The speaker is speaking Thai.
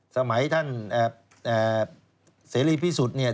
สมัยท่านเสรีพิสุทธิ์เนี่ย